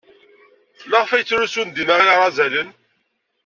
Maɣef ay ttlusun dima irazalen?